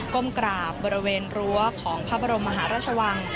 ก้มกราบบริเวณรั้วของพระบรมมหาราชวัง